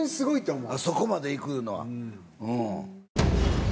あそこまでいくのは。